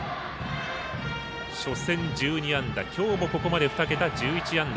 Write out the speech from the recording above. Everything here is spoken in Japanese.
初戦１２安打、今日もここまで２桁１１安打。